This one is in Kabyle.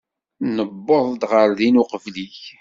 Nuweḍ ɣer din uqbel-ik.